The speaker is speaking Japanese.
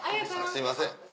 すいません。